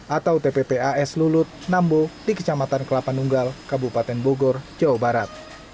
atau tppas lulut nambobogor di kecamatan kelapa nunggal kabupaten bogor jawa barat